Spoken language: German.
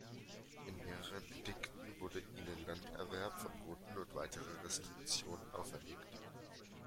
In mehreren Edikten wurden ihnen Landerwerb verboten und weitere Restriktionen auferlegt.